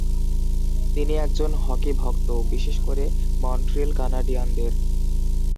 তিনি একজন হকি ভক্ত, বিশেষ করে মন্ট্রিল কানাডিয়ানদের।